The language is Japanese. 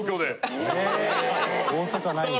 大阪無いんだ。